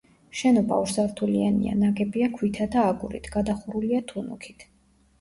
შენობა ორსართულიანია, ნაგებია ქვითა და აგურით, გადახურულია თუნუქით.